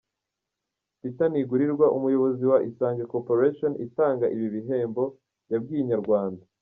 Peter Ntigurirwa umuyobozi wa Isange Corporation itanga ibi bihembo, yabwiye Inyarwanda.